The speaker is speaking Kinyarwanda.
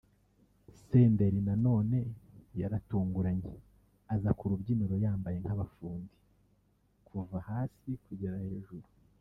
Senderi na none yaratunguranye aza ku rubyiniro yambaye nk’abafundi kuva hasi kugera hejuru